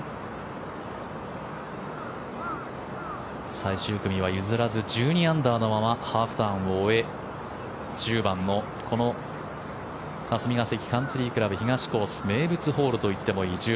最終組は譲らず１２アンダーのままハーフターンを終え１０番のこの霞ヶ関カンツリー倶楽部東コース名物ホールといってもいい１０